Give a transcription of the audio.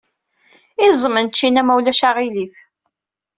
Iẓem n ččina, ma ulac aɣilif.